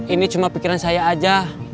ini cuma pikiran saya aja